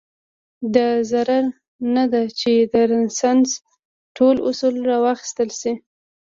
دا ضرور نه ده چې د رنسانس ټول اصول راواخیستل شي.